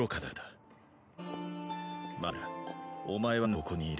なぜお前はここにいる？